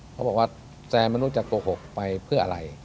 เขาบอกว่าแซนไม่รู้จะโกหกไปเพื่ออะไร